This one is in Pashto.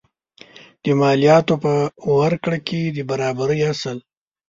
د مالیاتو په ورکړه کې د برابرۍ اصل.